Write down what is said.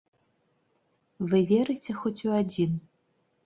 Вы верыце хоць у адзін?